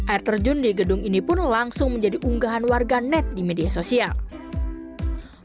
air terjun di gedung ini pun langsung menjadi unggahan warga net di media sosial